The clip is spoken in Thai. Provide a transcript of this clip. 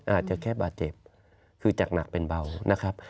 อาจจะแค่บาดเจ็บคือจากหนักเป็นเบานะครับ